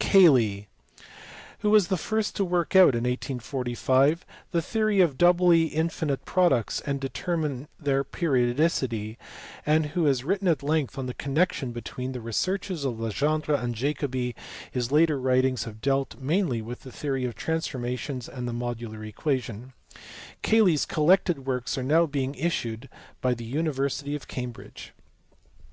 Cayley (see pp. 462, 478, 481), who was the first to work out (in 1845) the theory of doubly infinite products and determine their periodicity, and who has written at length on the connection between the researches of Legendre and Jacobi ; his later writings have dealt mainly with the theory of transformation and the modular equation : Cayley s collected works are now being issued by the university of Cambridge.